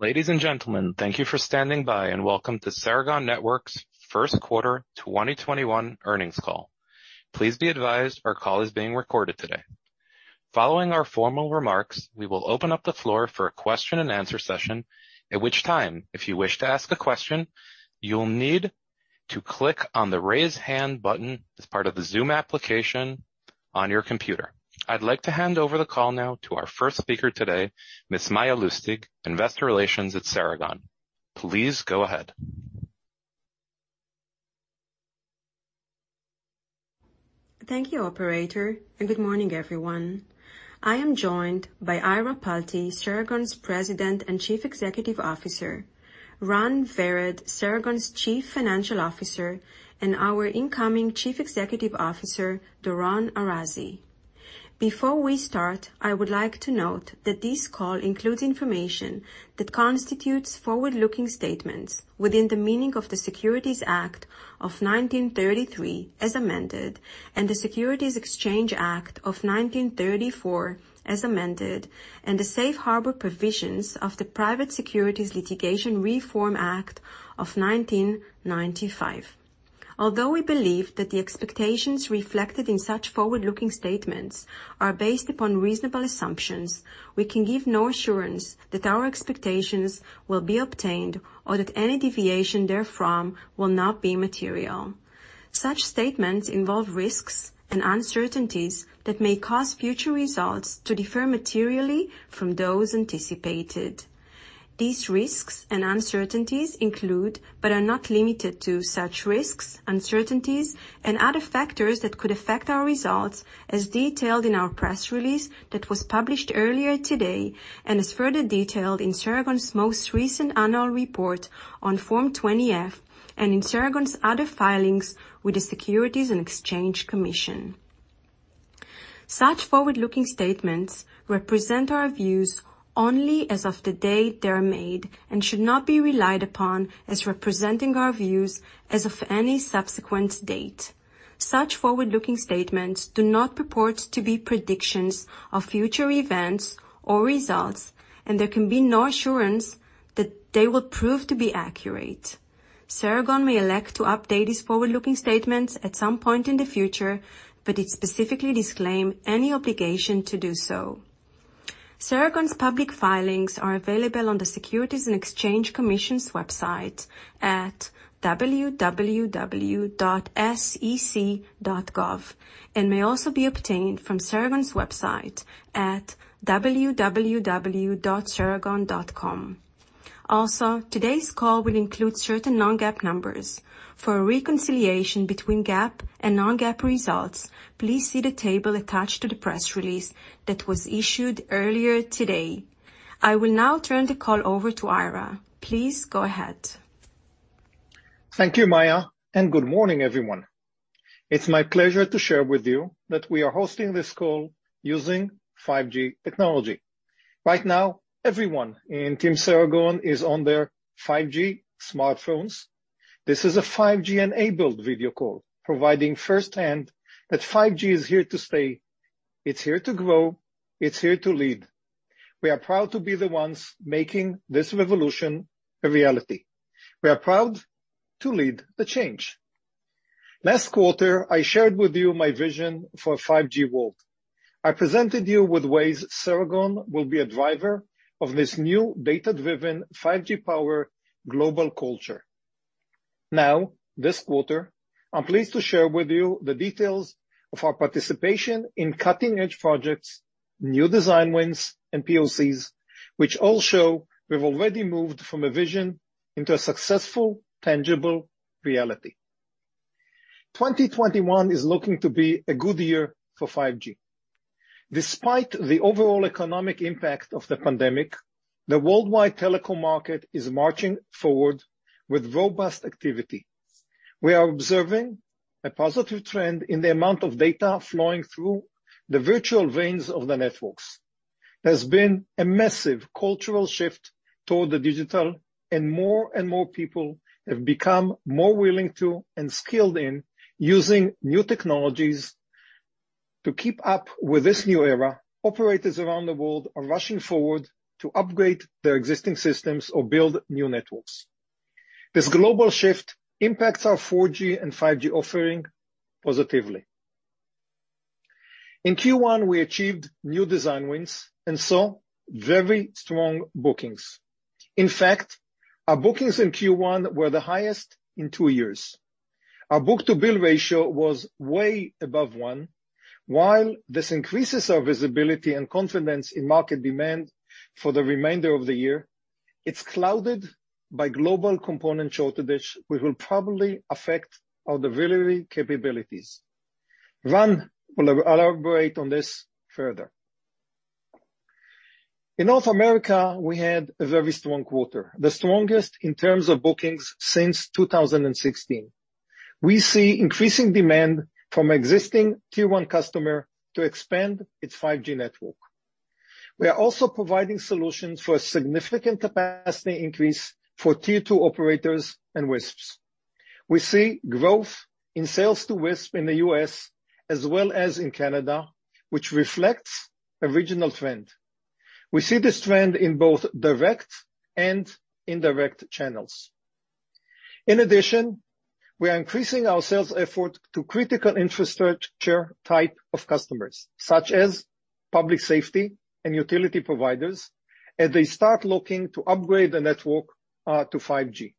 Ladies and gentlemen, thank you for standing by, and welcome to Ceragon Networks' first quarter 2021 earnings call. Please be advised our call is being recorded today. Following our formal remarks, we will open up the floor for a question and answer session, at which time, if you wish to ask a question, you'll need to click on the raise hand button as part of the Zoom application on your computer. I'd like to hand over the call now to our first speaker today, Ms. Maya Lustig, investor relations at Ceragon. Please go ahead. Thank you, operator, and good morning, everyone. I am joined by Ira Palti, Ceragon's President and Chief Executive Officer, Ran Vered, Ceragon's Chief Financial Officer, and our incoming Chief Executive Officer, Doron Arazi. Before we start, I would like to note that this call includes information that constitutes forward-looking statements within the meaning of the Securities Act of 1933 as amended, and the Securities Exchange Act of 1934 as amended, and the safe harbor provisions of the Private Securities Litigation Reform Act of 1995. Although we believe that the expectations reflected in such forward-looking statements are based upon reasonable assumptions, we can give no assurance that our expectations will be obtained or that any deviation therefrom will not be material. Such statements involve risks and uncertainties that may cause future results to differ materially from those anticipated. These risks and uncertainties include, but are not limited to, such risks, uncertainties, and other factors that could affect our results as detailed in our press release that was published earlier today and is further detailed in Ceragon's most recent annual report on Form 20-F and in Ceragon's other filings with the Securities and Exchange Commission. Such forward-looking statements represent our views only as of the day they're made and should not be relied upon as representing our views as of any subsequent date. Such forward-looking statements do not purport to be predictions of future events or results, and there can be no assurance that they will prove to be accurate. Ceragon may elect to update these forward-looking statements at some point in the future, but it specifically disclaims any obligation to do so. Ceragon's public filings are available on the Securities and Exchange Commission's website at www.sec.gov and may also be obtained from Ceragon's website at www.ceragon.com. Also, today's call will include certain non-GAAP numbers. For a reconciliation between GAAP and non-GAAP results, please see the table attached to the press release that was issued earlier today. I will now turn the call over to Ira. Please go ahead. Thank you, Maya. Good morning, everyone. It's my pleasure to share with you that we are hosting this call using 5G technology. Right now, everyone in Team Ceragon is on their 5G smartphones. This is a 5G-enabled video call providing firsthand that 5G is here to stay. It's here to grow. It's here to lead. We are proud to be the ones making this revolution a reality. We are proud to lead the change. Last quarter, I shared with you my vision for a 5G world. I presented you with ways Ceragon will be a driver of this new data-driven 5G-powered global culture. This quarter, I'm pleased to share with you the details of our participation in cutting-edge projects, new design wins, and POCs, which all show we've already moved from a vision into a successful, tangible reality. 2021 is looking to be a good year for 5G. Despite the overall economic impact of the pandemic, the worldwide telecom market is marching forward with robust activity. We are observing a positive trend in the amount of data flowing through the virtual veins of the networks. There's been a massive cultural shift toward the digital, and more and more people have become more willing to and skilled in using new technologies. To keep up with this new era, operators around the world are rushing forward to upgrade their existing systems or build new networks. This global shift impacts our 4G and 5G offering positively. In Q1, we achieved new design wins and saw very strong bookings. In fact, our bookings in Q1 were the highest in two years. Our book-to-bill ratio was way above one. While this increases our visibility and confidence in market demand for the remainder of the year, it's clouded by global component shortage, which will probably affect our delivery capabilities. Ran will elaborate on this further. In North America, we had a very strong quarter, the strongest in terms of bookings since 2016. We see increasing demand from existing Tier 1 customer to expand its 5G network. We are also providing solutions for a significant capacity increase for Tier 2 operators and WISPs. We see growth in sales to WISP in the U.S. as well as in Canada, which reflects a regional trend. We see this trend in both direct and indirect channels. In addition, we are increasing our sales effort to critical infrastructure type of customers, such as public safety and utility providers, as they start looking to upgrade the network to 5G.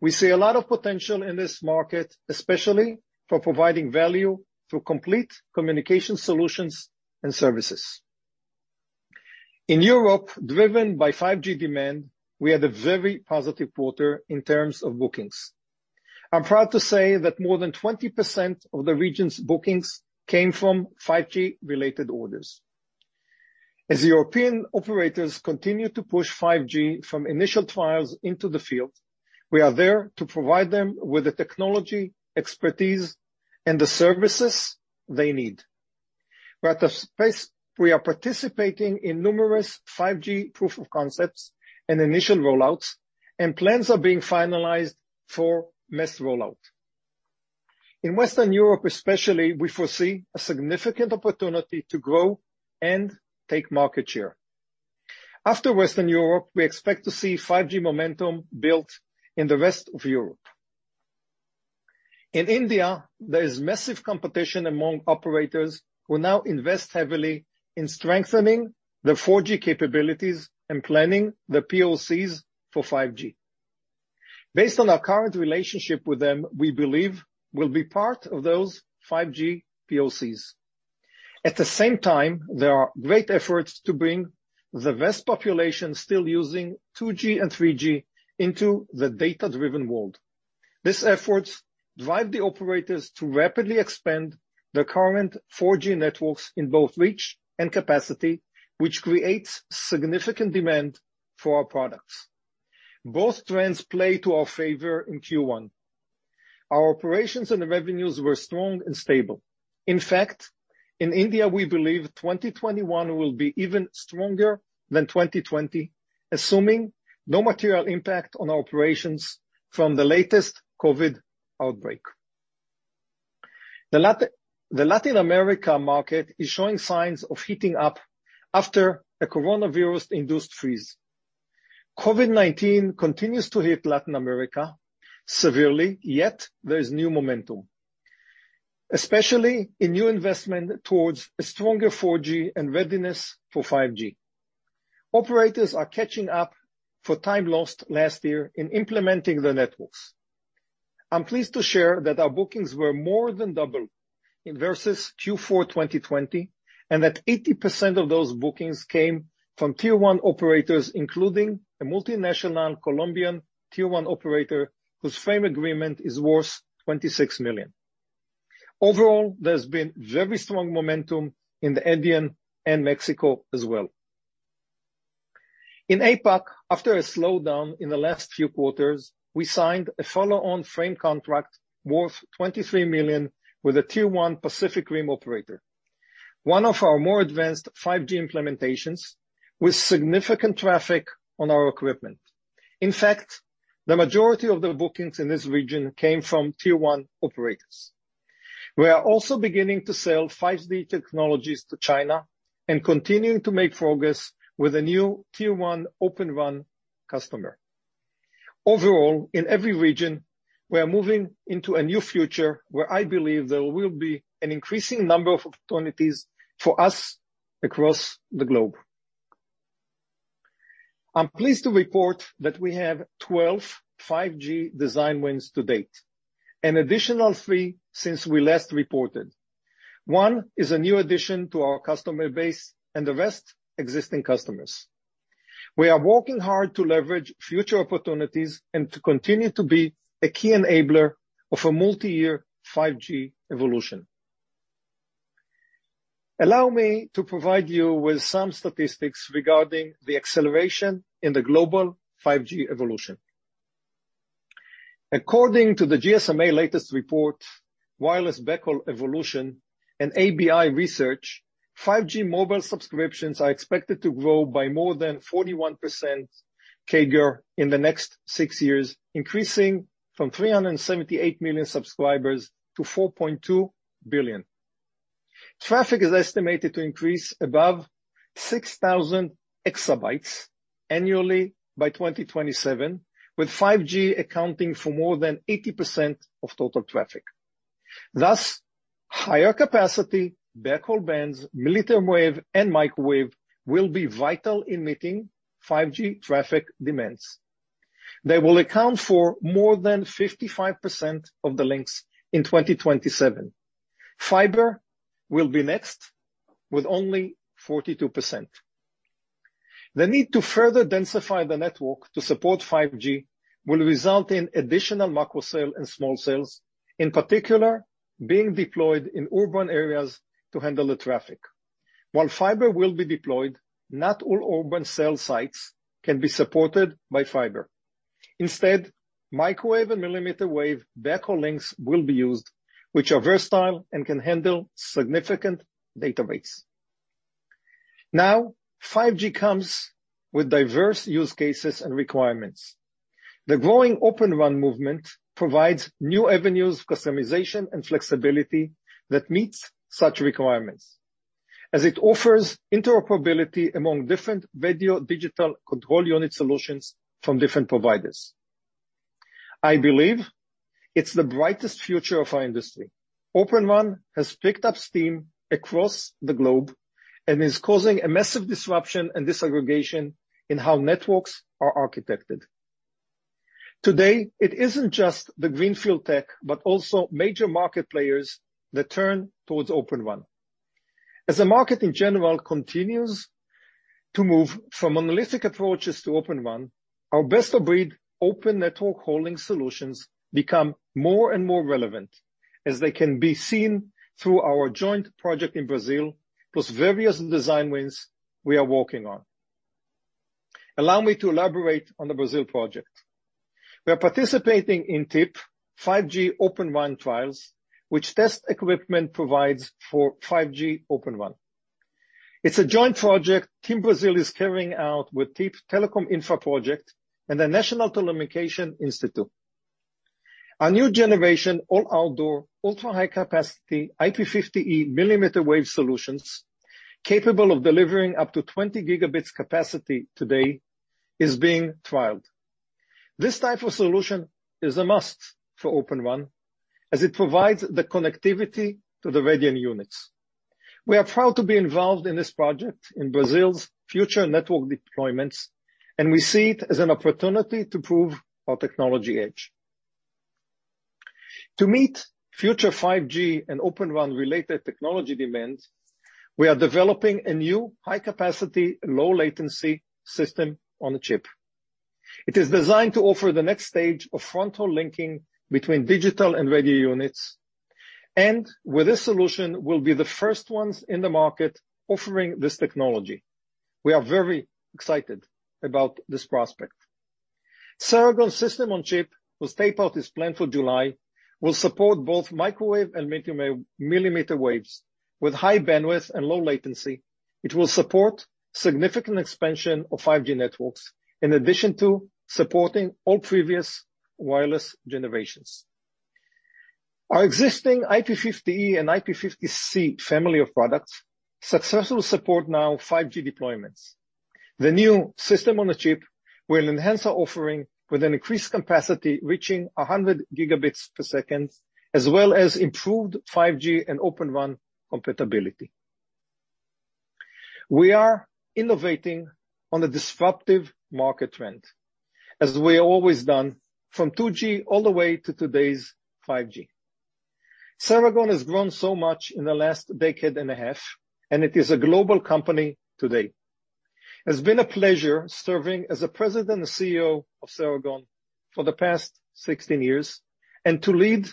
We see a lot of potential in this market, especially for providing value through complete communication solutions and services. In Europe, driven by 5G demand, we had a very positive quarter in terms of bookings. I'm proud to say that more than 20% of the region's bookings came from 5G-related orders. As European operators continue to push 5G from initial trials into the field, we are there to provide them with the technology, expertise, and the services they need. We are participating in numerous 5G proof of concepts and initial rollouts, and plans are being finalized for mass rollout. In Western Europe especially, we foresee a significant opportunity to grow and take market share. After Western Europe, we expect to see 5G momentum built in the rest of Europe. In India, there is massive competition among operators who now invest heavily in strengthening their 4G capabilities and planning their POCs for 5G. Based on our current relationship with them, we believe we'll be part of those 5G POCs. At the same time, there are great efforts to bring the vast population still using 2G and 3G into the data-driven world. These efforts drive the operators to rapidly expand their current 4G networks in both reach and capacity, which creates significant demand for our products. Both trends play to our favor in Q1. Our operations and revenues were strong and stable. In fact, in India, we believe 2021 will be even stronger than 2020, assuming no material impact on our operations from the latest COVID outbreak. The Latin America market is showing signs of heating up after a coronavirus-induced freeze. COVID-19 continues to hit Latin America severely, yet there is new momentum, especially in new investment towards a stronger 4G and readiness for 5G. Operators are catching up for time lost last year in implementing the networks. I'm pleased to share that our bookings were more than double in versus Q4 2020, and that 80% of those bookings came from Tier 1 operators, including a multinational Colombian Tier 1 operator whose frame agreement is worth $26 million. Overall, there's been very strong momentum in the Andean and Mexico as well. In APAC, after a slowdown in the last few quarters, we signed a follow-on frame contract worth $23 million with a Tier 1 Pacific Rim operator, one of our more advanced 5G implementations with significant traffic on our equipment. In fact, the majority of the bookings in this region came from Tier 1 operators. We are also beginning to sell 5G technologies to China and continuing to make progress with a new Tier 1 Open RAN customer. Overall, in every region, we are moving into a new future where I believe there will be an increasing number of opportunities for us across the globe. I'm pleased to report that we have 12 5G design wins to date, an additional three since we last reported. One is a new addition to our customer base, and the rest, existing customers. We are working hard to leverage future opportunities and to continue to be a key enabler of a multi-year 5G evolution. Allow me to provide you with some statistics regarding the acceleration in the global 5G evolution. According to the GSMA latest report, Wireless Backhaul Evolution, and ABI Research, 5G mobile subscriptions are expected to grow by more than 41% CAGR in the next six years, increasing from 378 million subscribers to 4.2 billion. Traffic is estimated to increase above 6,000 exabytes annually by 2027, with 5G accounting for more than 80% of total traffic. Higher capacity backhaul bands, millimeter wave, and microwave will be vital in meeting 5G traffic demands. They will account for more than 55% of the links in 2027. Fiber will be next, with only 42%. The need to further densify the network to support 5G will result in additional macro cell and small cells, in particular being deployed in urban areas to handle the traffic. While fiber will be deployed, not all urban cell sites can be supported by fiber. Instead, microwave and millimeter wave backhaul links will be used, which are versatile and can handle significant data rates. 5G comes with diverse use cases and requirements. The growing Open RAN movement provides new avenues of customization and flexibility that meets such requirements, as it offers interoperability among different radio digital control unit solutions from different providers. I believe it's the brightest future of our industry. Open RAN has picked up steam across the globe and is causing a massive disruption and disaggregation in how networks are architected. Today, it isn't just the greenfield tech, but also major market players that turn towards Open RAN. The market in general continues to move from monolithic approaches to Open RAN, our best-of-breed open network holding solutions become more and more relevant as they can be seen through our joint project in Brazil, plus various design wins we are working on. Allow me to elaborate on the Brazil project. We are participating in TIP 5G Open RAN trials, which test equipment providers for 5G Open RAN. It's a joint project TIM Brasil is carrying out with TIP Telecom Infra Project and the National Telecommunication Institute. Our new generation all-outdoor, ultra-high capacity IP-50E millimeter wave solutions, capable of delivering up to 20Gb capacity today, is being trialed. This type of solution is a must for Open RAN, as it provides the connectivity to the radio units. We are proud to be involved in this project in Brazil's future network deployments, and we see it as an opportunity to prove our technology edge. To meet future 5G and Open RAN related technology demands, we are developing a new high capacity, low latency system on a chip. It is designed to offer the next stage of fronthaul linking between digital and radio units. With this solution, we'll be the first ones in the market offering this technology. We are very excited about this prospect. Ceragon's system on a chip, whose tape-out is planned for July, will support both microwave and millimeter waves. With high bandwidth and low latency, it will support significant expansion of 5G networks, in addition to supporting all previous wireless generations. Our existing IP-50E and IP-50C family of products successfully support now 5G deployments. The new system on a chip will enhance our offering with an increased capacity reaching 100Gb per second, as well as improved 5G and Open RAN compatibility. We are innovating on a disruptive market trend, as we have always done, from 2G all the way to today's 5G. Ceragon has grown so much in the last decade and a half, and it is a global company today. It's been a pleasure serving as the President and CEO of Ceragon for the past 16 years, and to lead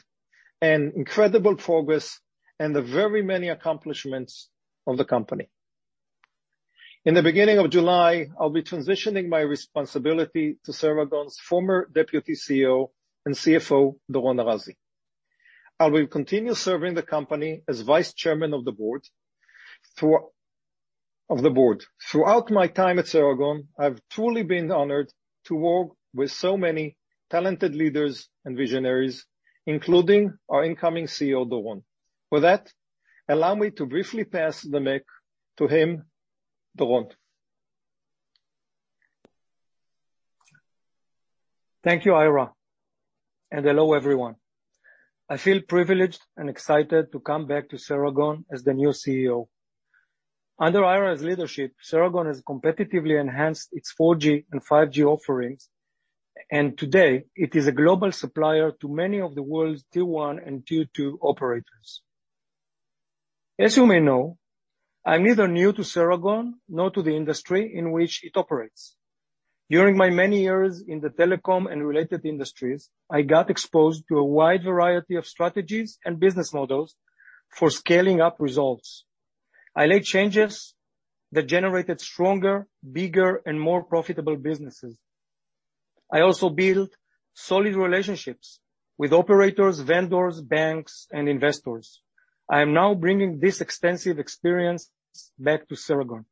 an incredible progress and the very many accomplishments of the company. In the beginning of July, I'll be transitioning my responsibility to Ceragon's former Deputy CEO and CFO, Doron Arazi. I will continue serving the company as Vice Chairman of the board. Throughout my time at Ceragon, I've truly been honored to work with so many talented leaders and visionaries, including our incoming CEO, Doron. With that, allow me to briefly pass the mic to him. Doron? Thank you, Ira, and hello, everyone. I feel privileged and excited to come back to Ceragon as the new CEO. Under Ira's leadership, Ceragon has competitively enhanced its 4G and 5G offerings, and today it is a global supplier to many of the world's Tier 1 and Tier 2 operators. As you may know, I'm neither new to Ceragon, nor to the industry in which it operates. During my many years in the telecom and related industries, I got exposed to a wide variety of strategies and business models for scaling up results. I led changes that generated stronger, bigger, and more profitable businesses. I also built solid relationships with operators, vendors, banks, and investors. I am now bringing this extensive experience back to Ceragon.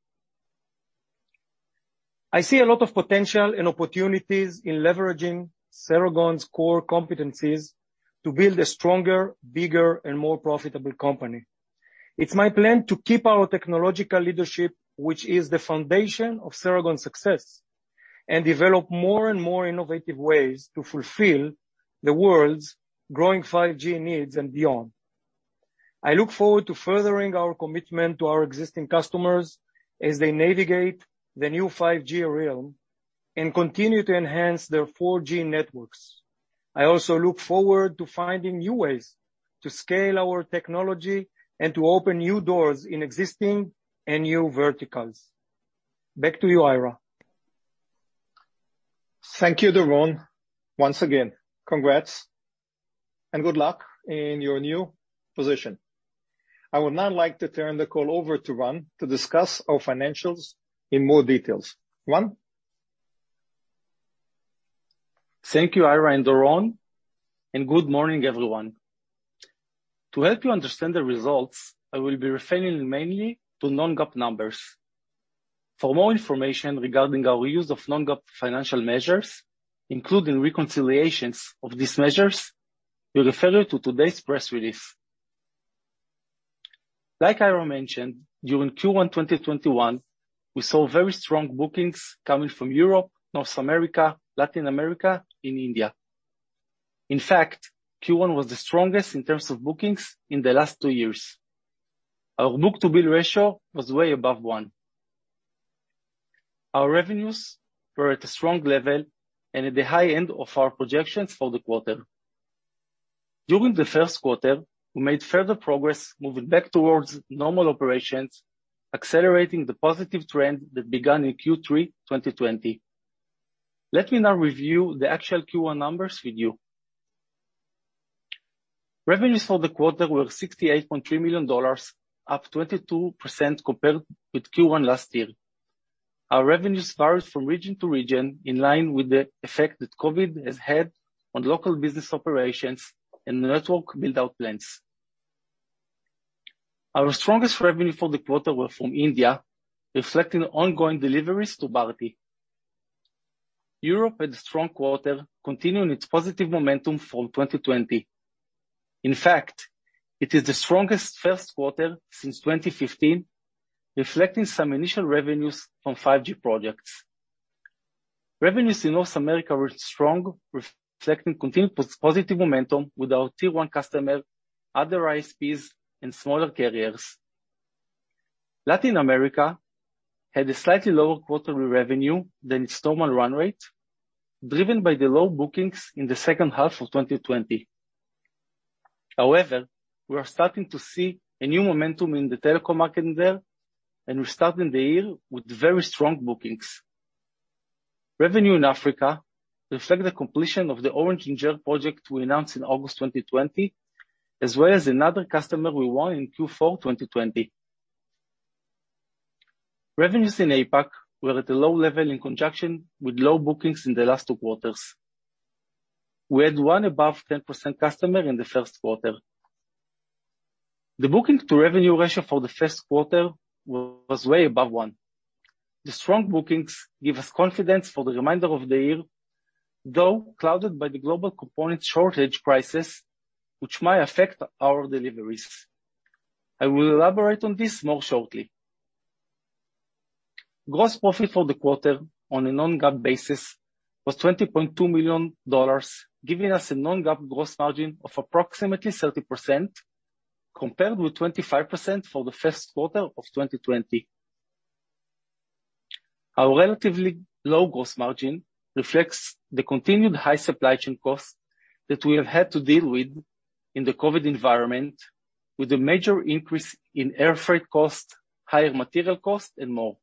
I see a lot of potential and opportunities in leveraging Ceragon's core competencies to build a stronger, bigger, and more profitable company. It's my plan to keep our technological leadership, which is the foundation of Ceragon's success, and develop more and more innovative ways to fulfill the world's growing 5G needs and beyond. I look forward to furthering our commitment to our existing customers as they navigate the new 5G realm and continue to enhance their 4G networks. I also look forward to finding new ways to scale our technology and to open new doors in existing and new verticals. Back to you, Ira. Thank you, Doron. Once again, congrats and good luck in your new position. I would now like to turn the call over to Ran to discuss our financials in more details. Ran? Thank you, Ira and Doron. Good morning, everyone. To help you understand the results, I will be referring mainly to non-GAAP numbers. For more information regarding our use of non-GAAP financial measures, including reconciliations of these measures, we refer you to today's press release. Like Ira mentioned, during Q1 2021, we saw very strong bookings coming from Europe, North America, Latin America, and India. In fact, Q1 was the strongest in terms of bookings in the last two years. Our book-to-bill ratio was way above one. Our revenues were at a strong level and at the high end of our projections for the quarter. During the first quarter, we made further progress moving back towards normal operations, accelerating the positive trend that began in Q3 2020. Let me now review the actual Q1 numbers with you. Revenues for the quarter were $68.3 million, up 22% compared with Q1 last year. Our revenues varied from region to region, in line with the effect that COVID has had on local business operations and network build-out plans. Our strongest revenue for the quarter were from India, reflecting ongoing deliveries to Bharti. Europe had a strong quarter, continuing its positive momentum from 2020. In fact, it is the strongest first quarter since 2015, reflecting some initial revenues from 5G projects. Revenues in North America were strong, reflecting continued positive momentum with our Tier 1 customer, other ISPs, and smaller carriers. Latin America had a slightly lower quarterly revenue than its normal run rate, driven by the low bookings in the second half of 2020. However, we are starting to see a new momentum in the telecom market there, and we're starting the year with very strong bookings. Revenue in Africa reflect the completion of the Orange India project we announced in August 2020, as well as another customer we won in Q4 2020. Revenues in APAC were at a low level in conjunction with low bookings in the last two quarters. We had one above 10% customer in the first quarter. The booking to revenue ratio for the first quarter was way above one. The strong bookings give us confidence for the remainder of the year, though clouded by the global component shortage crisis, which might affect our deliveries. I will elaborate on this more shortly. Gross profit for the quarter on a non-GAAP basis was $20.2 million, giving us a non-GAAP gross margin of approximately 30%, compared with 25% for the first quarter of 2020. Our relatively low gross margin reflects the continued high supply chain costs that we have had to deal with in the COVID environment, with a major increase in air freight costs, higher material costs, and more.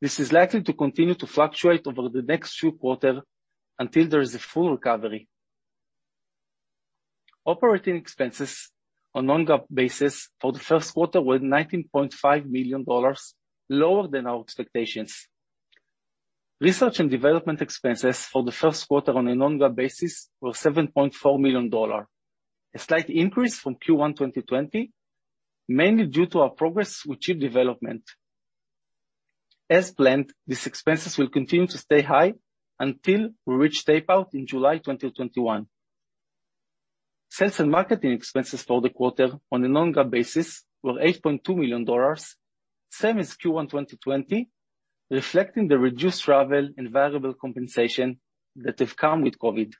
This is likely to continue to fluctuate over the next few quarters until there is a full recovery. Operating expenses on non-GAAP basis for the first quarter were $19.5 million, lower than our expectations. Research and development expenses for the first quarter on a non-GAAP basis were $7.4 million, a slight increase from Q1 2020, mainly due to our progress with chip development. As planned, these expenses will continue to stay high until we reach tape-out in July 2021. Sales and marketing expenses for the quarter on a non-GAAP basis were $8.2 million, same as Q1 2020, reflecting the reduced travel and variable compensation that have come with COVID.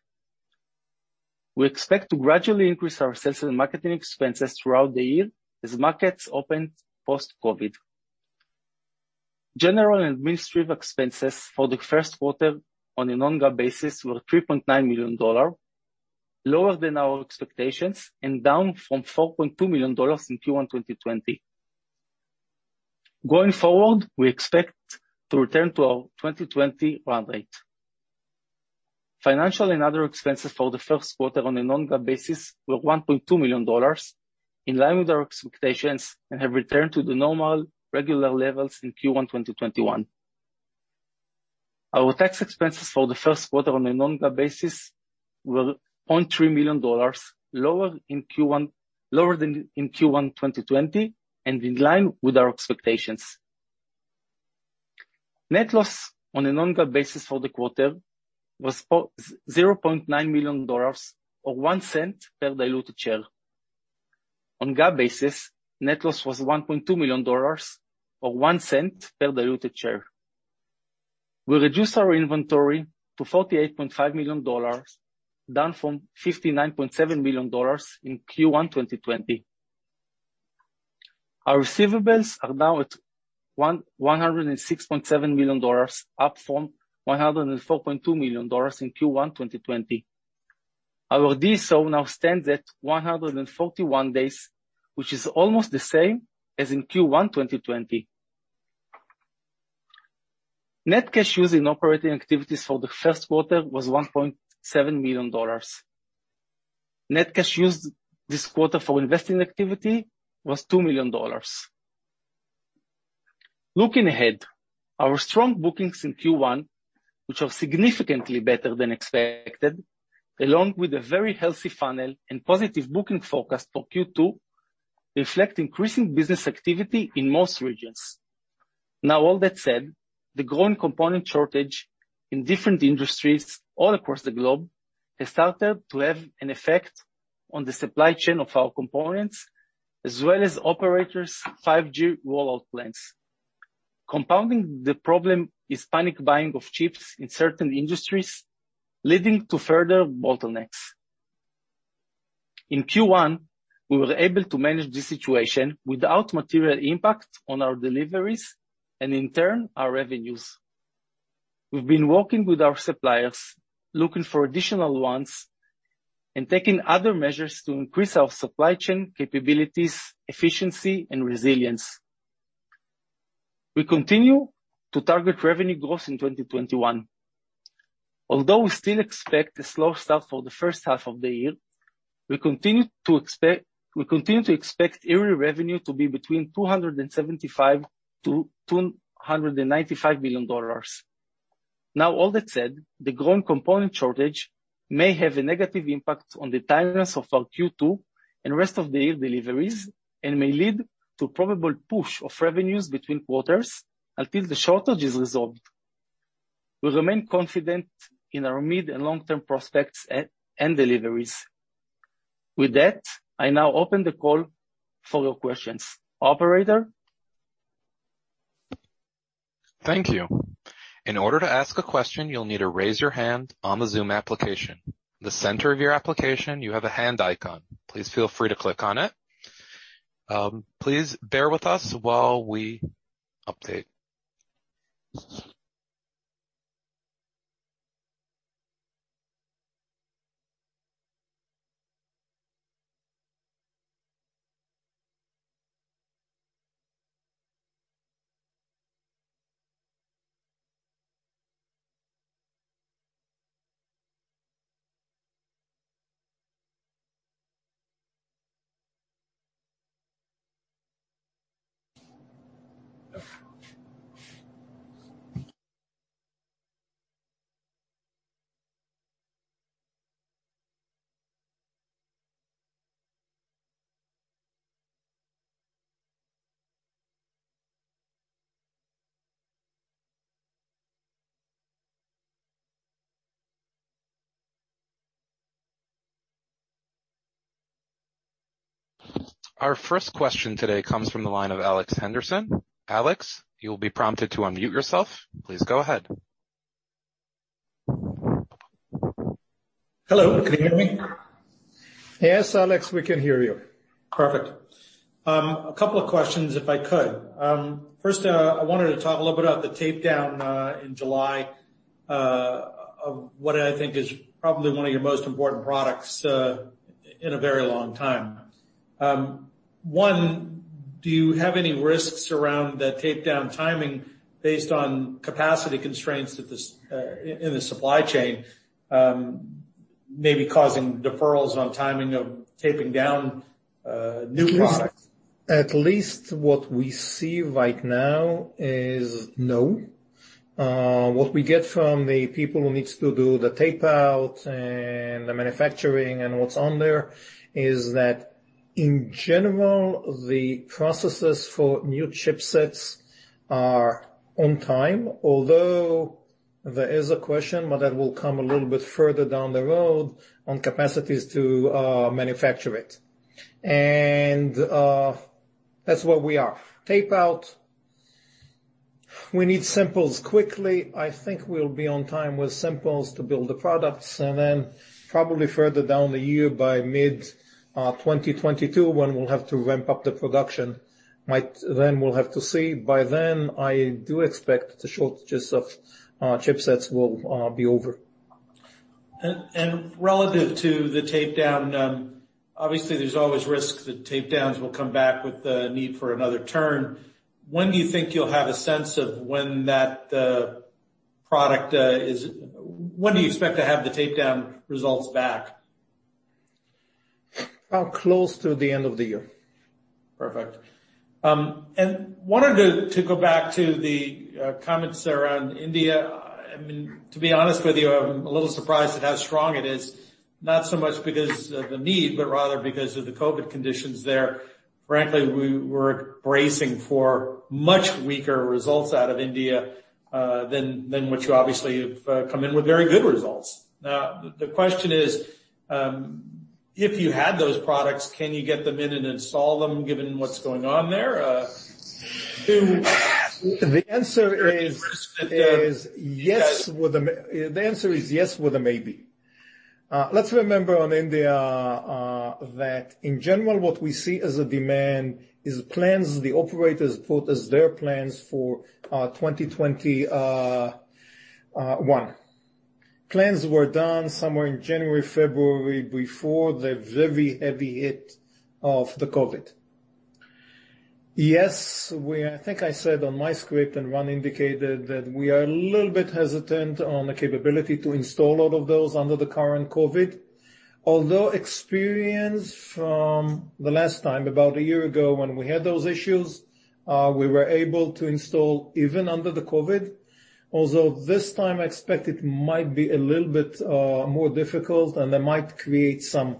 We expect to gradually increase our sales and marketing expenses throughout the year as markets open post-COVID. General and administrative expenses for the first quarter on a non-GAAP basis were $3.9 million, lower than our expectations and down from $4.2 million in Q1 2020. Going forward, we expect to return to our 2020 run rate. Financial and other expenses for the first quarter on a non-GAAP basis were $1.2 million, in line with our expectations and have returned to the normal regular levels in Q1 2021. Our tax expenses for the first quarter on a non-GAAP basis were $0.3 million, lower than in Q1 2020 and in line with our expectations. Net loss on a non-GAAP basis for the quarter was $0.9 million, or $0.01 per diluted share. On GAAP basis, net loss was $1.2 million, or $0.01 per diluted share. We reduced our inventory to $48.5 million, down from $59.7 million in Q1 2020. Our receivables are now at $106.7 million, up from $104.2 million in Q1 2020. Our DSO now stands at 141 days, which is almost the same as in Q1 2020. Net cash used in operating activities for the first quarter was $1.7 million. Net cash used this quarter for investing activity was $2 million. Looking ahead, our strong bookings in Q1, which are significantly better than expected, along with a very healthy funnel and positive booking forecast for Q2, reflect increasing business activity in most regions. Now, all that said, the growing component shortage in different industries all across the globe has started to have an effect on the supply chain of our components, as well as operators' 5G rollout plans. Compounding the problem is panic buying of chips in certain industries, leading to further bottlenecks. In Q1, we were able to manage this situation without material impact on our deliveries and in turn, our revenues. We have been working with our suppliers, looking for additional ones, and taking other measures to increase our supply chain capabilities, efficiency, and resilience. We continue to target revenue growth in 2021. Although we still expect a slow start for the first half of the year, we continue to expect yearly revenue to be between $275 million-$295 million. All that said, the growing component shortage may have a negative impact on the timeliness of our Q2 and rest of the year deliveries and may lead to probable push of revenues between quarters until the shortage is resolved. We remain confident in our mid and long-term prospects and deliveries. With that, I now open the call for your questions. Operator? Thank you. In order to ask a question, you'll need to raise your hand on the Zoom application. The center of your application, you have a hand icon. Please feel free to click on it. Please bear with us while we update. Our first question today comes from the line of Alex Henderson. Alex, you will be prompted to unmute yourself. Please go ahead. Hello. Can you hear me? Yes, Alex, we can hear you. Perfect. A couple of questions, if I could. First, I wanted to talk a little bit about the tape-out, in July, of what I think is probably one of your most important products in a very long time. One, do you have any risks around the tape-out timing based on capacity constraints in the supply chain maybe causing deferrals on timing of tape-out new products? At least what we see right now is no. What we get from the people who needs to do the tape-out and the manufacturing and what's on there is that, in general, the processes for new chipsets are on time. There is a question, but that will come a little bit further down the road on capacities to manufacture it. That's where we are. Tape-out, we need samples quickly. I think we'll be on time with samples to build the products, and then probably further down the year by mid-2022, when we'll have to ramp up the production, then we'll have to see. By then, I do expect the shortages of chipsets will be over. Relative to the tape-out, obviously, there's always risk that tape-outs will come back with the need for another turn. When do you expect to have the tape-out results back? Close to the end of the year. Perfect. Wanted to go back to the comments around India. To be honest with you, I'm a little surprised at how strong it is. Not so much because of the need, but rather because of the COVID conditions there. Frankly, we were bracing for much weaker results out of India than what you obviously have come in with very good results. The question is, if you had those products, can you get them in and install them given what's going on there? The answer is yes, with a maybe. Let's remember on India that, in general, what we see as a demand is plans the operators put as their plans for 2021. Plans were done somewhere in January, February, before the very heavy hit of the COVID. Yes, I think I said on my script, and Ran indicated that we are a little bit hesitant on the capability to install all of those under the current COVID. Although experience from the last time, about a year ago when we had those issues We were able to install even under the COVID. This time, I expect it might be a little bit more difficult, and that might create some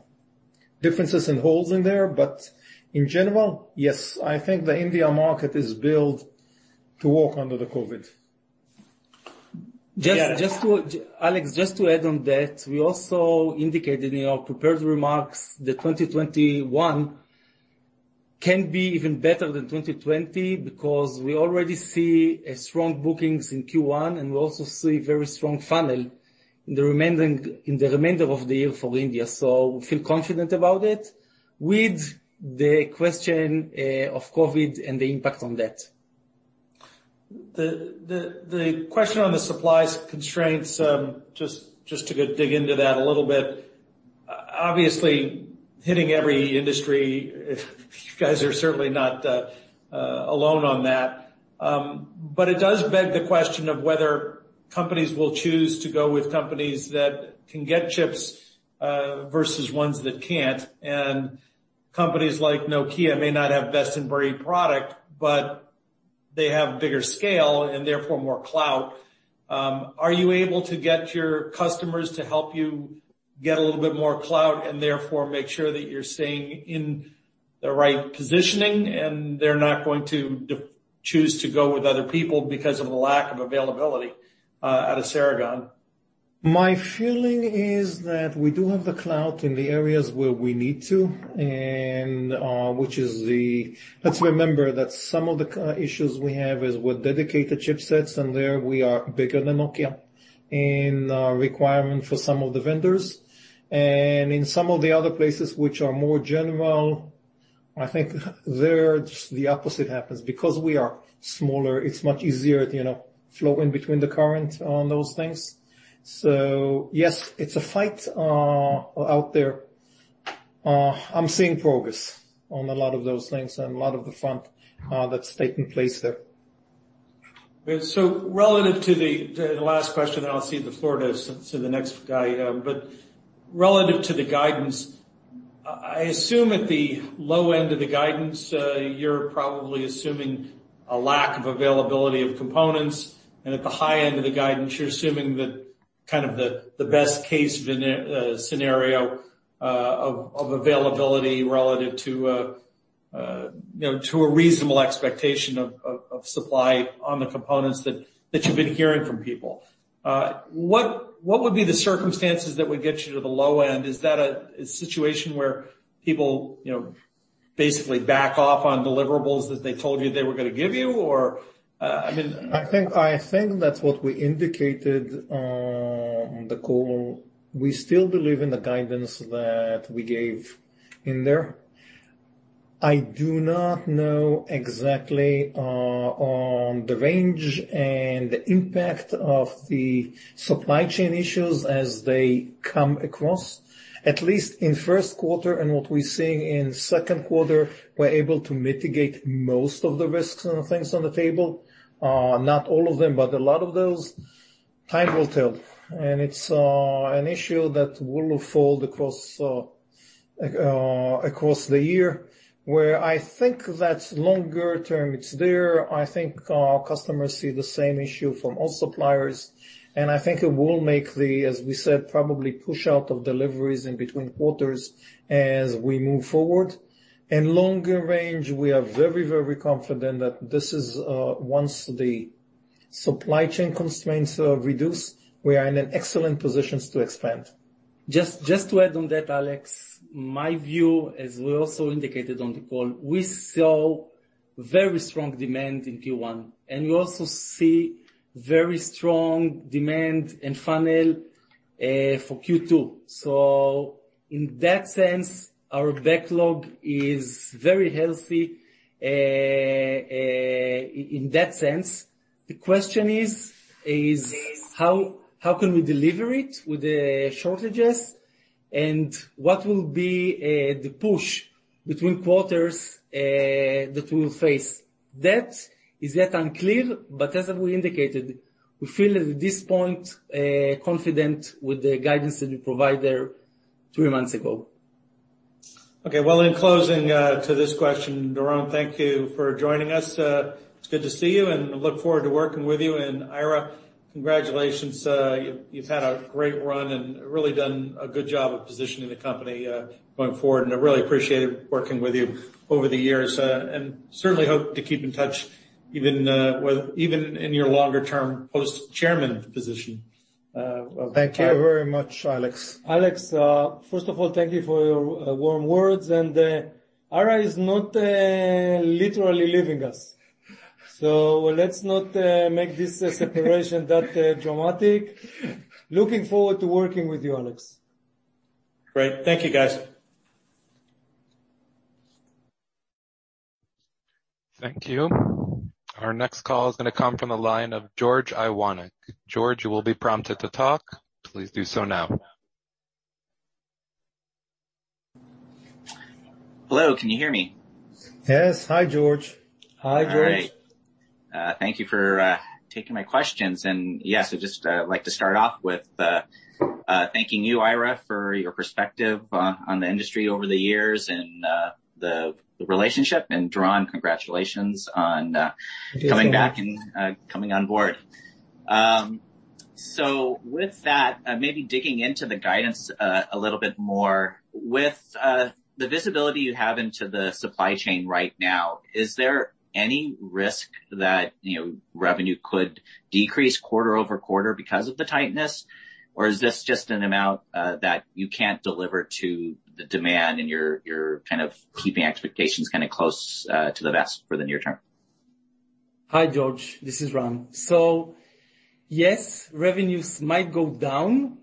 differences and holes in there. In general, yes, I think the India market is built to work under the COVID. Alex, just to add on that, we also indicated in our prepared remarks that 2021 can be even better than 2020 because we already see strong bookings in Q1, and we also see very strong funnel in the remainder of the year for India. We feel confident about it with the question of COVID and the impact on that. The question on the supplies constraints, just to dig into that a little bit. Obviously, hitting every industry, you guys are certainly not alone on that. It does beg the question of whether companies will choose to go with companies that can get chips, versus ones that can't. Companies like Nokia may not have best-in-breed product, but they have bigger scale and therefore more clout. Are you able to get your customers to help you get a little bit more clout, and therefore make sure that you're staying in the right positioning, and they're not going to choose to go with other people because of a lack of availability out of Ceragon? My feeling is that we do have the clout in the areas where we need to. Let's remember that some of the issues we have is with dedicated chipsets, and there we are bigger than Nokia in requirement for some of the vendors. In some of the other places which are more general, I think there just the opposite happens. Because we are smaller, it's much easier to flow in between the current on those things. Yes, it's a fight out there. I'm seeing progress on a lot of those things and a lot of the front that's taking place there. Relative to the last question, then I'll cede the floor to the next guy. Relative to the guidance, I assume at the low end of the guidance, you're probably assuming a lack of availability of components, and at the high end of the guidance, you're assuming that kind of the best-case scenario of availability relative to a reasonable expectation of supply on the components that you've been hearing from people. What would be the circumstances that would get you to the low end? Is that a situation where people basically back off on deliverables that they told you they were going to give you? I think that's what we indicated on the call. We still believe in the guidance that we gave in there. I do not know exactly on the range and the impact of the supply chain issues as they come across. At least in first quarter and what we're seeing in second quarter, we're able to mitigate most of the risks and the things on the table. Not all of them, but a lot of those. Time will tell. It's an issue that will unfold across the year, where I think that longer term, it's there. I think our customers see the same issue from all suppliers, and I think it will make the, as we said, probably push out of deliveries in between quarters as we move forward. In longer range, we are very, very confident that this is, once the supply chain constraints are reduced, we are in an excellent positions to expand. Just to add on that, Alex, my view, as we also indicated on the call, we saw very strong demand in Q1, and we also see very strong demand and funnel, for Q2. In that sense, our backlog is very healthy. In that sense, the question is how can we deliver it with the shortages, and what will be the push between quarters that we'll face? That is yet unclear, as we indicated, we feel at this point, confident with the guidance that we provided three months ago. Okay. Well, in closing to this question, Doron, thank you for joining us. It's good to see you, and I look forward to working with you. Ira, congratulations. You've had a great run and really done a good job of positioning the company going forward, and I really appreciate working with you over the years. Certainly hope to keep in touch even in your longer-term post-chairman position. Thank you very much, Alex. Alex, first of all, thank you for your warm words. Ira is not literally leaving us. Let's not make this separation that dramatic. Looking forward to working with you, Alex. Great. Thank you, guys. Thank you. Our next call is going to come from the line of George Iwanyc. George, you will be prompted to talk. Please do so now. Hello, can you hear me? Yes. Hi, George. Hi, George. Hi .Thank you for taking my questions. Yes, I'd just like to start off with thanking you, Ira, for your perspective on the industry over the years and the relationship. Doron, congratulations. Thank you. coming back and coming on board. With that, maybe digging into the guidance a little bit more. With the visibility you have into the supply chain right now, is there any risk that revenue could decrease quarter-over-quarter because of the tightness? Or is this just an amount that you can't deliver to the demand and you're keeping expectations close to the vest for the near term? Hi, George. This is Ran. Yes, revenues might go down,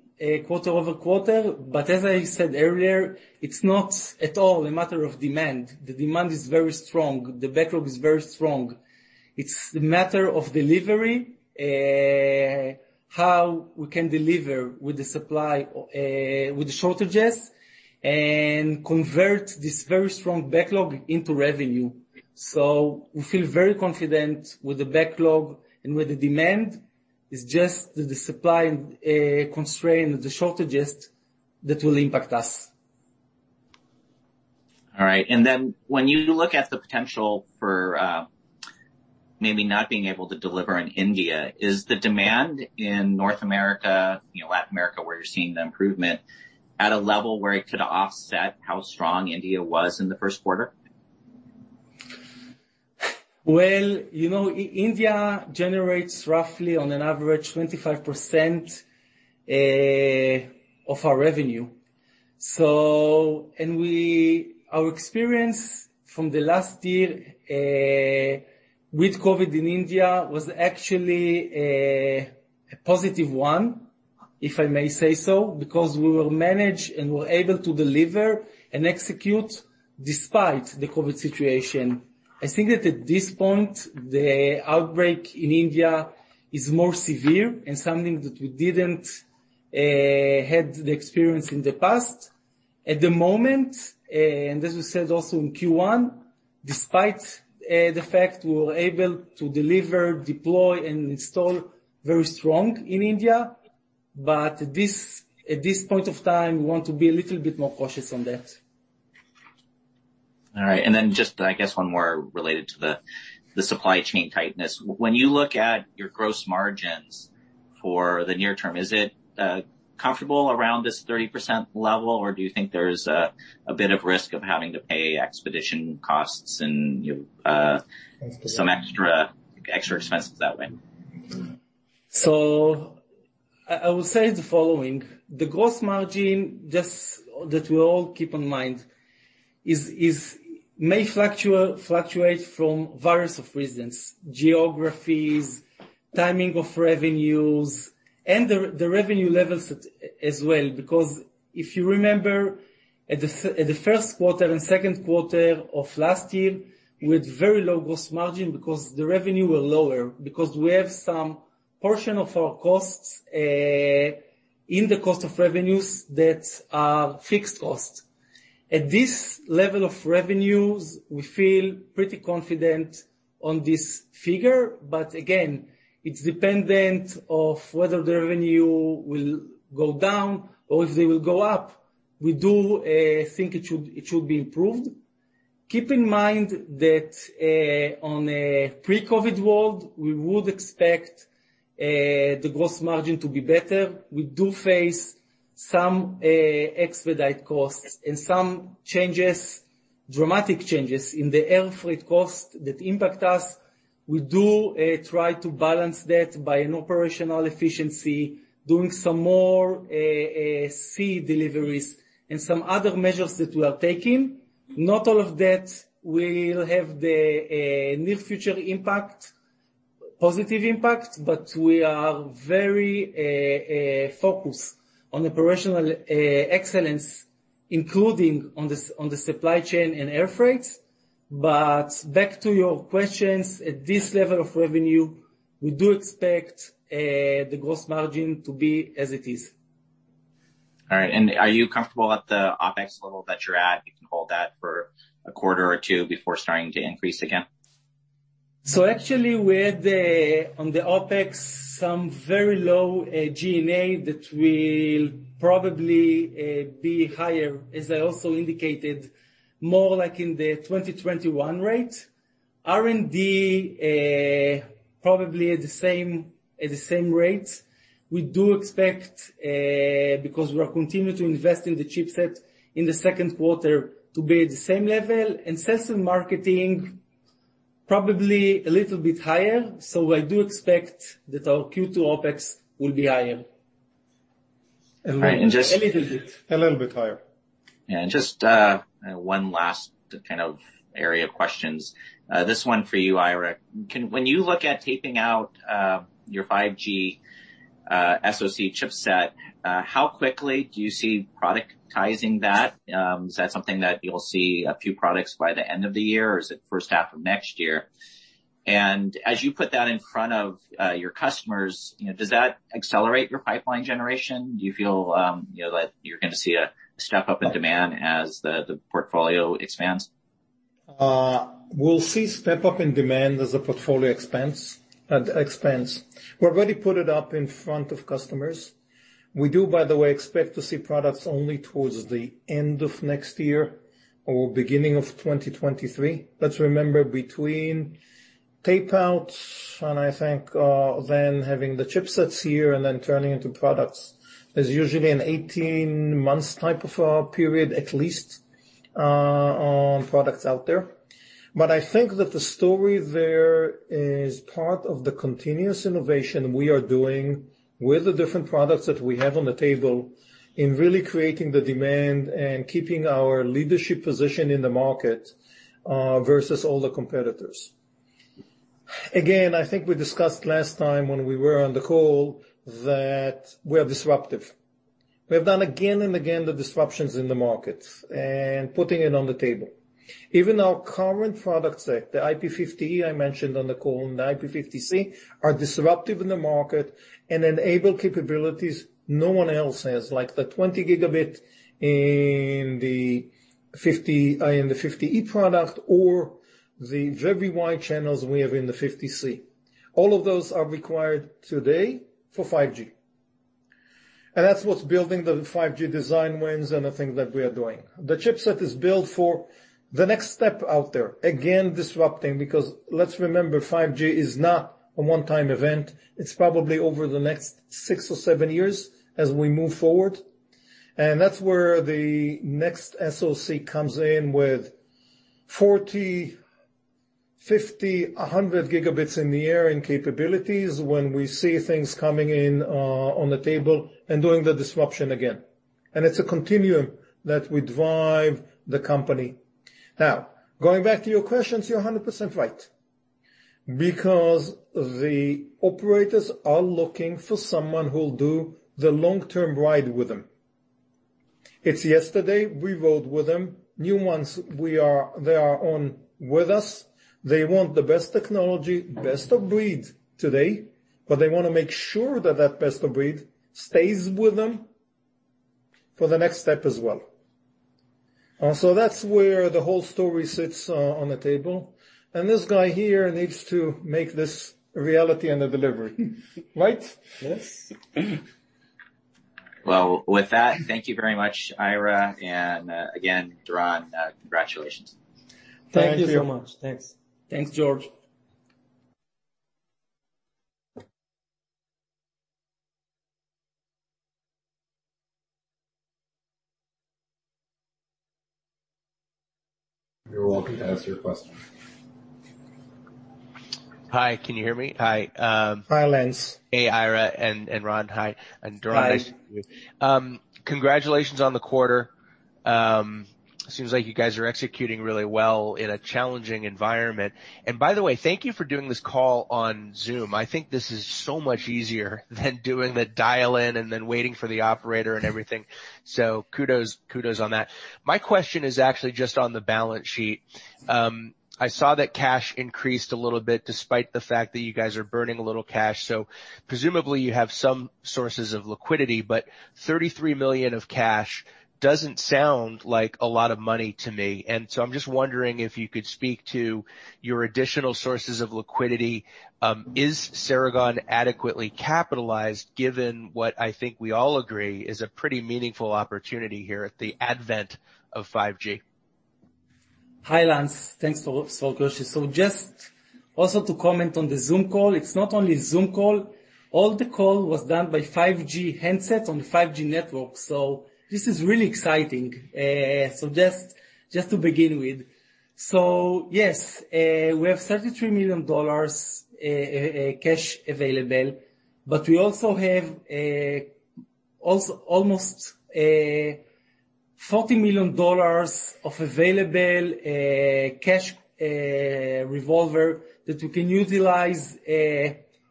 quarter-over-quarter, but as I said earlier, it's not at all a matter of demand. The demand is very strong. The backlog is very strong. It's the matter of delivery, how we can deliver with the shortages and convert this very strong backlog into revenue. We feel very confident with the backlog and with the demand. It's just the supply constraint, the shortages that will impact us. All right. When you look at the potential for maybe not being able to deliver in India, is the demand in North America, Latin America, where you're seeing the improvement, at a level where it could offset how strong India was in the first quarter? Well, India generates roughly on an average 25% of our revenue. Our experience from the last year, with COVID in India was actually a positive one, if I may say so, because we will manage and we're able to deliver and execute despite the COVID situation. I think that at this point, the outbreak in India is more severe and something that we didn't, had the experience in the past. At the moment, and as we said also in Q1, despite the fact we were able to deliver, deploy, and install very strong in India. At this point of time, we want to be a little bit more cautious on that. All right. Then just, I guess one more related to the supply chain tightness. When you look at your gross margins for the near term, is it comfortable around this 30% level, or do you think there's a bit of risk of having to pay expedition costs? Expedite some extra expenses that way? I will say the following, the gross margin, just that we all keep in mind, may fluctuate from various of reasons, geographies, timing of revenues, and the revenue levels as well. If you remember, at the first quarter and second quarter of last year, we had very low gross margin because the revenue were lower, because we have some portion of our costs, in the cost of revenues that are fixed costs. At this level of revenues, we feel pretty confident on this figure, but again, it's dependent of whether the revenue will go down or if they will go up. We do think it should be improved. Keep in mind that, on a pre-COVID world, we would expect the gross margin to be better. We do face some expedite costs and some changes, dramatic changes in the airfreight cost that impact us. We do try to balance that by an operational efficiency, doing some more sea deliveries and some other measures that we are taking. Not all of that will have the near future impact, positive impact, but we are very focused on operational excellence, including on the supply chain and air freight. Back to your questions, at this level of revenue, we do expect the gross margin to be as it is. All right. Are you comfortable at the OPEX level that you're at? You can hold that for a quarter or two before starting to increase again? Actually, on the OPEX, some very low G&A that will probably be higher, as I also indicated, more like in the 2021 rate. R&D, probably at the same rate. We do expect, because we are continuing to invest in the chipset in the second quarter to be at the same level. Sales and marketing, probably a little bit higher. I do expect that our Q2 OPEX will be higher. All right. A little bit. A little bit higher. Yeah. Just one last kind of area of questions. This one for you, Ira. When you look at tape-out your 5G SoC chipset, how quickly do you see productizing that? Is that something that you'll see a few products by the end of the year, or is it first half of next year? As you put that in front of your customers, does that accelerate your pipeline generation? Do you feel that you're going to see a step up in demand as the portfolio expands? We'll see step-up in demand as a portfolio expense. We already put it up in front of customers. We do, by the way, expect to see products only towards the end of next year or beginning of 2023. Let's remember, between tape-outs and I think then having the chipsets here and then turning into products, is usually an 18 months type of period at least on products out there. I think that the story there is part of the continuous innovation we are doing with the different products that we have on the table in really creating the demand and keeping our leadership position in the market versus all the competitors. Again, I think we discussed last time when we were on the call that we are disruptive. We have done again and again the disruptions in the markets and putting it on the table. Even our current products like the IP-50E I mentioned on the call, and the IP-50C, are disruptive in the market and enable capabilities no one else has, like the 20Gb in the 50E product or the very wide channels we have in the 50C. All of those are required today for 5G. That's what's building the 5G design wins and the thing that we are doing. The chipset is built for the next step out there, again, disrupting, because let's remember, 5G is not a one-time event. It's probably over the next six or seven years as we move forward, and that's where the next SoC comes in with 40Gb, 50Gb, 100Gb in the air in capabilities when we see things coming in on the table and doing the disruption again. It's a continuum that we drive the company. Now, going back to your question, you're 100% right because the operators are looking for someone who will do the long-term ride with them. It's yesterday, we rode with them. New ones, they are on with us. They want the best technology, best of breed today, but they want to make sure that that best of breed stays with them for the next step as well. That's where the whole story sits on the table. This guy here needs to make this a reality and a delivery, right? Yes. Well, with that, thank you very much, Ira, and again, Doron, congratulations. Thank you so much. Thanks. Thanks, George. You're welcome to ask your question. Hi, can you hear me? Hi. Hi, Lance. Hey, Ira and Doron. Hi. Hi. Nice to meet you. Congratulations on the quarter. Seems like you guys are executing really well in a challenging environment. By the way, thank you for doing this call on Zoom. I think this is so much easier than doing the dial-in and then waiting for the operator and everything. Kudos on that. My question is actually just on the balance sheet. I saw that cash increased a little bit despite the fact that you guys are burning a little cash. Presumably you have some sources of liquidity, but $33 million of cash doesn't sound like a lot of money to me. I'm just wondering if you could speak to your additional sources of liquidity. Is Ceragon adequately capitalized given what I think we all agree is a pretty meaningful opportunity here at the advent of 5G? Hi, Lance. Thanks for question. Just also to comment on the Zoom call, it's not only Zoom call. All the call was done by 5G handsets on 5G networks. This is really exciting. Just to begin with. Yes, we have $33 million cash available, but we also have almost $40 million of available cash revolver that we can utilize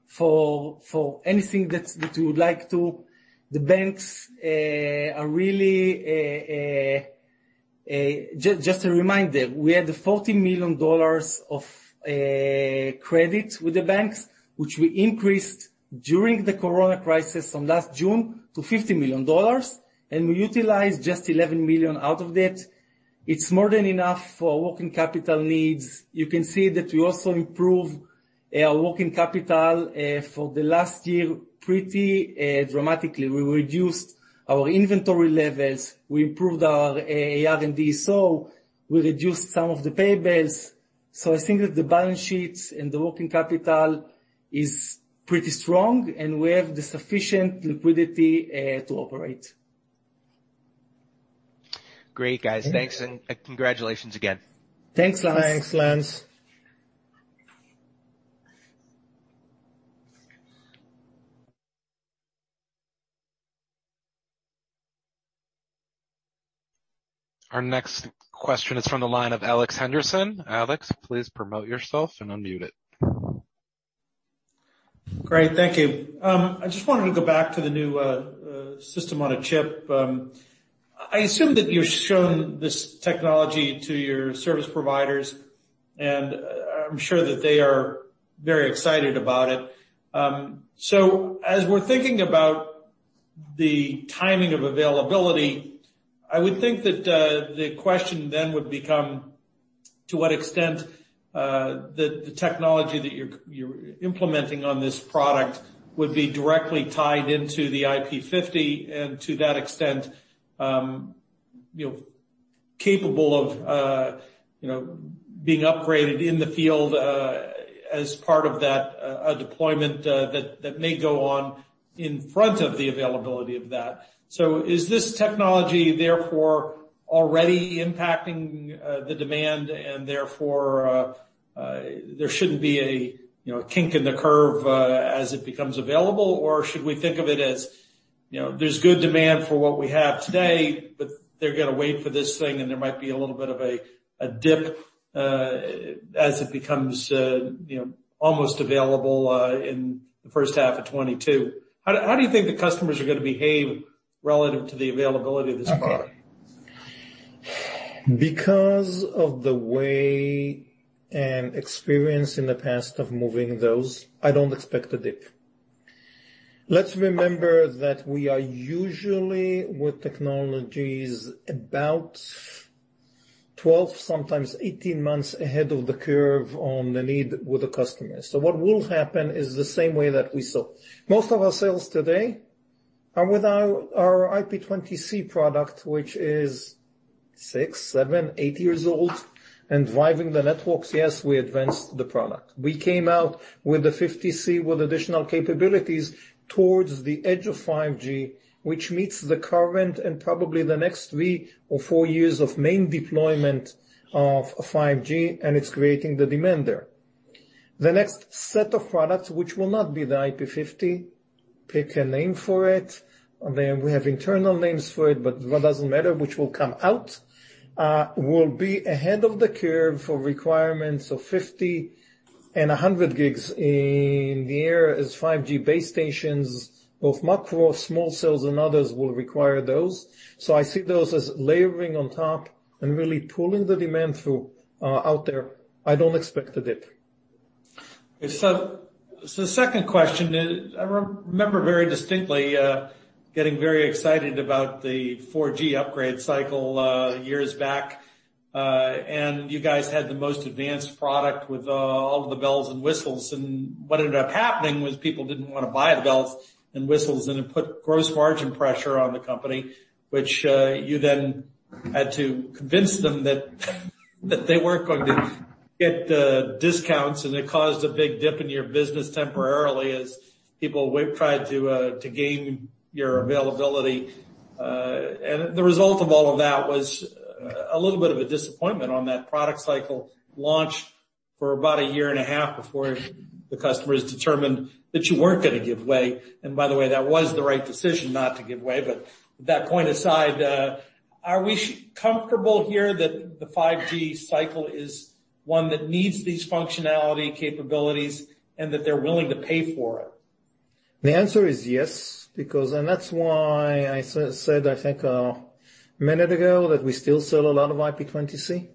for anything that we would like to. Just a reminder, we had the $40 million of credit with the banks, which we increased during the corona crisis from last June to $50 million, and we utilized just $11 million out of that. It's more than enough for working capital needs. You can see that we also improved our working capital for the last year pretty dramatically. We reduced our inventory levels, we improved our R&D. We reduced some of the payables. I think that the balance sheets and the working capital is pretty strong, and we have the sufficient liquidity to operate. Great, guys. Thanks, and congratulations again. Thanks, Lance. Thanks, Lance. Our next question is from the line of Alex Henderson. Alex, please promote yourself and unmute it. Great. Thank you. I just wanted to go back to the new system on a chip. I assume that you're showing this technology to your service providers, and I'm sure that they are very excited about it. As we're thinking about the timing of availability, I would think that the question then would become to what extent the technology that you're implementing on this product would be directly tied into the IP-50, and to that extent, capable of being upgraded in the field, as part of that deployment that may go on in front of the availability of that. Is this technology therefore already impacting the demand and therefore, there shouldn't be a kink in the curve as it becomes available? Should we think of it as, there's good demand for what we have today, but they're going to wait for this thing, and there might be a little bit of a dip, as it becomes almost available in the first half of 2022. How do you think the customers are going to behave relative to the availability of this product? Because of the way and experience in the past of moving those, I don't expect a dip. Let's remember that we are usually with technologies about 12, sometimes 18 months ahead of the curve on the need with the customers. What will happen is the same way that we sell. Most of our sales today are with our IP-20C product, which is six, seven, eight years old and driving the networks. Yes, we advanced the product. We came out with the IP-50C with additional capabilities towards the edge of 5G, which meets the current and probably the next three or four years of main deployment of 5G, and it's creating the demand there. The next set of products, which will not be the IP-50, pick a name for it. We have internal names for it, but that doesn't matter, which will come out, will be ahead of the curve for requirements of 50Gb and 100Gb in the air as 5G base stations, both macro, small cells, and others will require those. I see those as layering on top and really pulling the demand through out there. I don't expect a dip. The second question is, I remember very distinctly getting very excited about the 4G upgrade cycle years back. You guys had the most advanced product with all of the bells and whistles, what ended up happening was people didn't want to buy the bells and whistles, it put gross margin pressure on the company, which you then had to convince them that they weren't going to get discounts, it caused a big dip in your business temporarily as people wait, tried to gain your availability. The result of all of that was a little bit of a disappointment on that product cycle launch for about a year and a half before the customers determined that you weren't going to give way. By the way, that was the right decision not to give way. That point aside, are we comfortable here that the 5G cycle is one that needs these functionality capabilities and that they're willing to pay for it? The answer is yes. That's why I said, I think a minute ago, that we still sell a lot of IP-20C.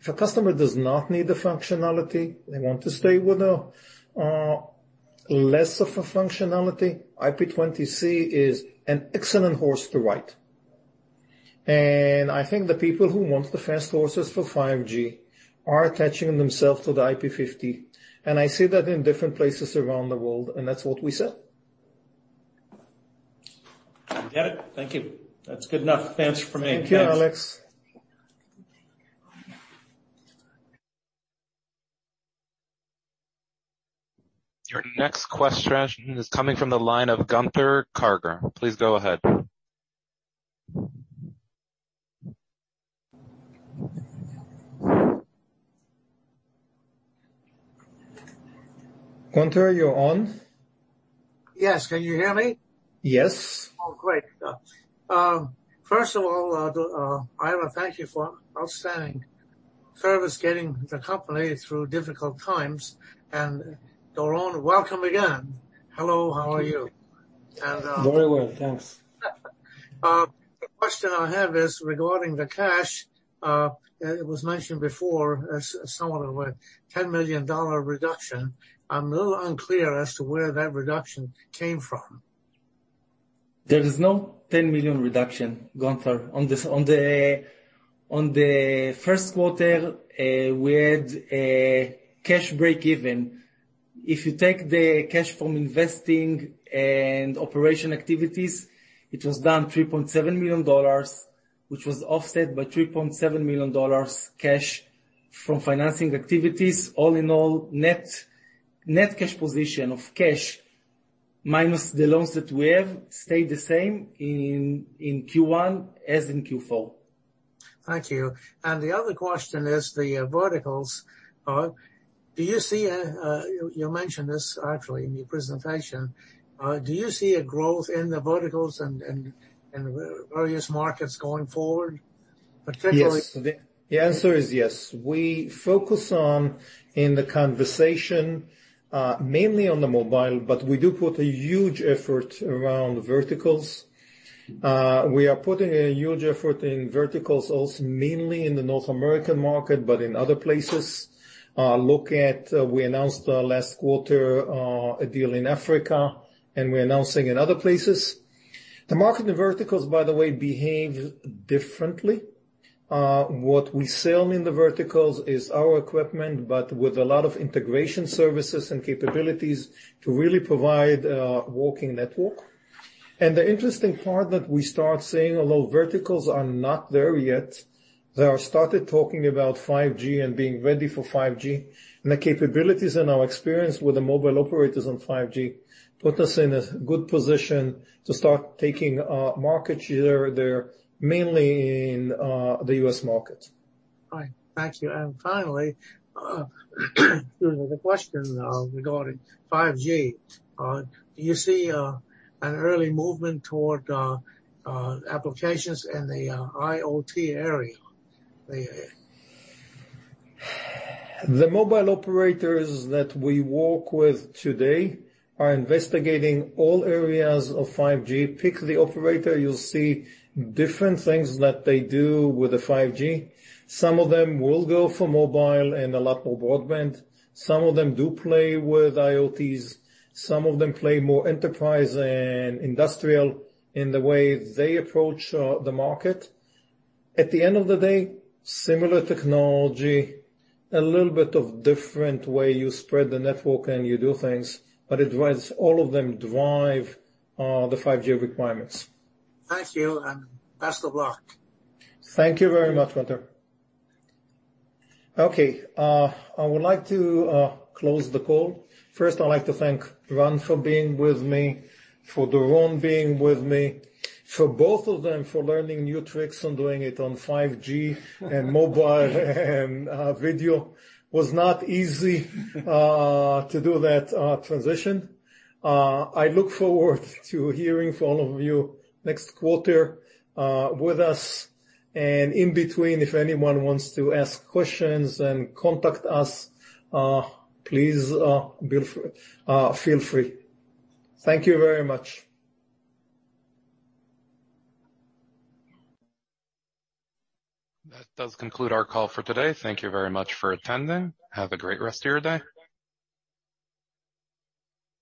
If a customer does not need the functionality, they want to stay with less of a functionality, IP-20C is an excellent horse to ride. I think the people who want the fast horses for 5G are attaching themselves to the IP-50. I see that in different places around the world. That's what we sell. Got it. Thank you. That's good enough answer for me. Thanks. Thank you, Alex. Your next question is coming from the line of Gunther Karger. Please go ahead. Gunther, are you on? Yes. Can you hear me? Yes. Oh, great. First of all, Ira, thank you for outstanding service getting the company through difficult times. Doron, welcome again. Hello, how are you? Very well, thanks. The question I have is regarding the cash. It was mentioned before as somewhat of a $10 million reduction. I'm a little unclear as to where that reduction came from. There is no $10 million reduction, Gunther. On the first quarter, we had a cash break even. If you take the cash from investing and operation activities, it was down $3.7 million, which was offset by $3.7 million cash from financing activities. All in all, net cash position of cash minus the loans that we have stayed the same in Q1 as in Q4. Thank you. The other question is the verticals. You mentioned this actually in your presentation. Do you see a growth in the verticals and various markets going forward particularly? Yes. The answer is yes. We focus on in the conversation, mainly on the mobile, but we do put a huge effort around verticals. We are putting a huge effort in verticals also, mainly in the North American market, but in other places. Look at, we announced last quarter, a deal in Africa, and we're announcing in other places. The market in verticals, by the way, behave differently. What we sell in the verticals is our equipment, but with a lot of integration services and capabilities to really provide a working network. The interesting part that we start seeing, although verticals are not there yet, they are started talking about 5G and being ready for 5G. The capabilities and our experience with the mobile operators on 5G put us in a good position to start taking markets either they're mainly in the U.S. market. All right. Thank you. Finally, the question regarding 5G. Do you see an early movement toward applications in the IoT area? The mobile operators that we work with today are investigating all areas of 5G. Pick the operator, you'll see different things that they do with the 5G. Some of them will go for mobile and a lot more broadband. Some of them do play with IoTs. Some of them play more enterprise and industrial in the way they approach the market. At the end of the day, similar technology, a little bit of different way you spread the network and you do things, but all of them drive the 5G requirements. Thank you, and best of luck. Thank you very much, Gunther. Okay, I would like to close the call. First, I'd like to thank Ran for being with me, for Doron being with me, for both of them, for learning new tricks on doing it on 5G and mobile and video. Was not easy to do that transition. I look forward to hearing from all of you next quarter with us. In between, if anyone wants to ask questions and contact us, please feel free. Thank you very much. That does conclude our call for today. Thank you very much for attending. Have a great rest of your day.